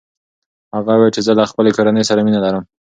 هغه وویل چې زه له خپلې کورنۍ سره مینه لرم.